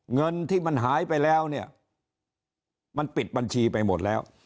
เงินที่มันหายไปแล้วเนี่ยมันปิดบัญชีไปหมดแล้ว